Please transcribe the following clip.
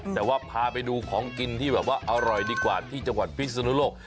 แต่ว่าพาไปดูของกินที่แบบว่าอร่อยดีกว่าที่จังหวัดพิศนุโลก